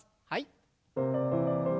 はい。